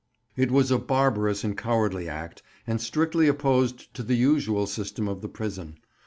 It was a barbarous and cowardly act, and strictly opposed to the usual system of the prison.